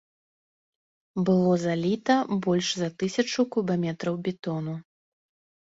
Было заліта больш за тысячу кубаметраў бетону.